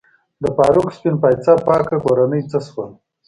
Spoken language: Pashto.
د فاروق سپین پایڅه پاکه کورنۍ څه شول؟